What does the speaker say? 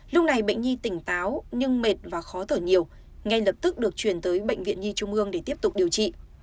lúc này bệnh nhi tỉnh táo nhưng mệt và khó thở nhiều ngay lập tức được chuyển tới bệnh viện nhi trung ương để tiếp tục điều trị